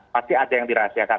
pasti ada yang dirahasiakan